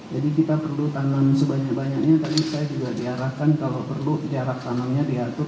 jadi kita perlu tanam sebanyak banyaknya tadi saya juga diarahkan kalau perlu jarak tanamnya diatur